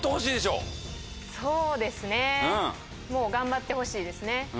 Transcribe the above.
そうですねもう頑張ってほしいですね。